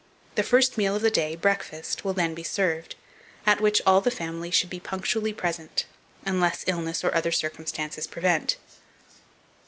The first meal of the day, breakfast, will then be served, at which all the family should be punctually present, unless illness, or other circumstances, prevent.